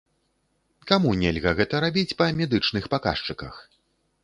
Каму нельга гэта рабіць па медычных паказчыках?